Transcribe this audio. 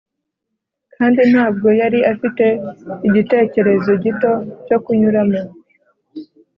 kandi ntabwo yari afite igitekerezo gito cyo kunyuramo.